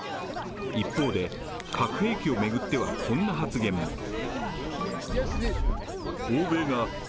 一方で、核兵器を巡っては、こんな発言も。